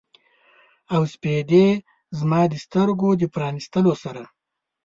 او سپیدې زما د سترګو د پرانیستلو سره